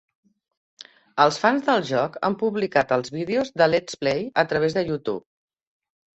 Els fans del joc han publicat els vídeos de Let's Play a través de Youtube.